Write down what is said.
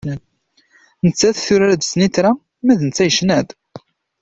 Nettat turar-d snitra, ma d netta yecna-d.